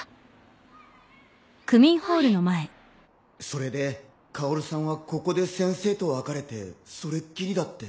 それでカオルさんはここで先生と別れてそれっきりだって。